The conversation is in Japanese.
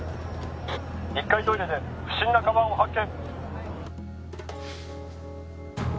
１階トイレで不審なかばんを発見。